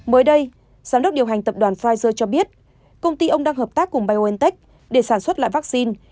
mới đây giám đốc điều hành tập đoàn pfizer cho biết công ty ông đang hợp tác cùng biontech để sản xuất lại vaccine